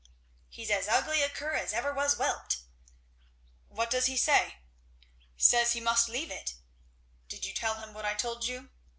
"He's as ugly a cur as ever was whelped!" "What does he say?" "Says he must have it." "Did you tell him what I told you?"